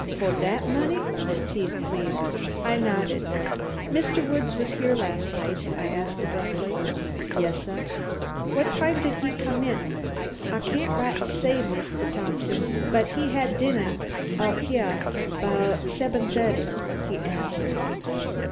"Fo' dat money?" His teeth gleamed. I nodded. "Mr. Woods was here last night?" I asked, abruptly. "Yas, suh." "What time did he come in?" "Ah cain't raghtly say, Mist' Thompsin, but he had dinnah out heah 'bout seben thuty," he answered.